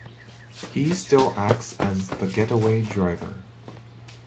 He still acts as the get-away driver.